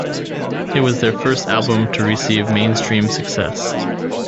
It was their first album to receive mainstream success.